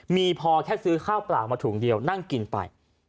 มีพอแค่ซื้อข้าวเปล่ามาถุงเดียวนั่งกินไป